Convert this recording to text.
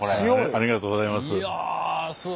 ありがとうございます。